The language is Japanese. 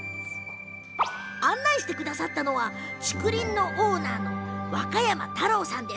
案内してくださった竹林のオーナーが若山太郎さん。